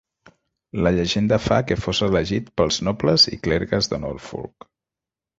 La llegenda fa que fos elegit pels nobles i clergues de Norfolk.